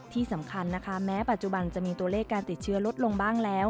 ที่สำคัญนะคะแม้ปัจจุบันจะมีตัวเลขการติดเชื้อลดลงบ้างแล้ว